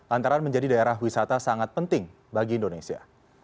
lantaran menjadi daerah wisata sangat penting bagi indonesia